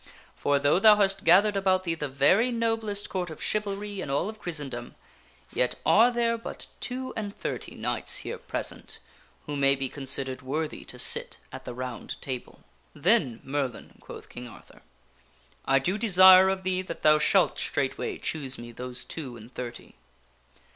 For, though thou hast gathered about thee the very noblest Court of Chivalry in all of Christendom, yet are there but two and thirty knights here present who may be considered worthy to sit at the Round Table." 144 THE WINNING OF A QUEEN 11 Then, Merlin," quoth King Arthur, " I do desire of thee that thou shalt straightway choose me those two and thirty."